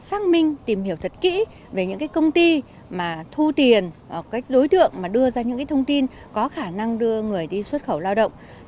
xác minh tìm hiểu thật kỹ về những công ty mà thu tiền đối tượng mà đưa ra những thông tin có khả năng đưa người đi xuất khẩu lao động